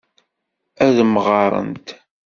Ad mɣarent.